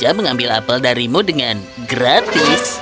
aku akan mengambil apel darimu dengan gratis